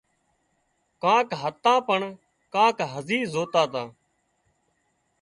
ڪانڪ هتا پڻ ڪانڪ هزي زوتا تا